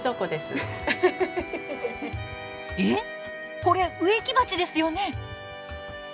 えっこれ植木鉢ですよね？